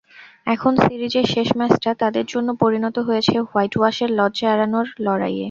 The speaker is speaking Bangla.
এখন সিরিজের শেষ ম্যাচটা তাদের জন্য পরিণত হয়েছে হোয়াইটওয়াশের লজ্জা এড়ানোর লড়াইয়ে।